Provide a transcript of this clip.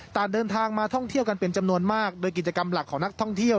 ต่างเดินทางมาท่องเที่ยวกันเป็นจำนวนมากโดยกิจกรรมหลักของนักท่องเที่ยว